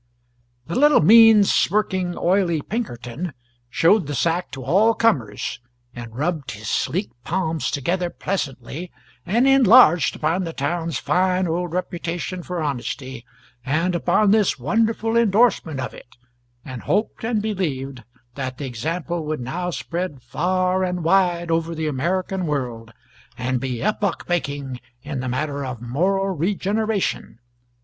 The little mean, smirking, oily Pinkerton showed the sack to all comers, and rubbed his sleek palms together pleasantly, and enlarged upon the town's fine old reputation for honesty and upon this wonderful endorsement of it, and hoped and believed that the example would now spread far and wide over the American world, and be epoch making in the matter of moral regeneration.